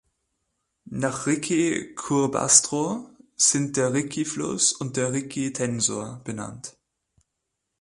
Nach Ricci-Curbastro sind der Ricci-Fluss und der Ricci-Tensor benannt.